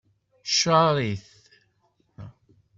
Ccaṛ-it.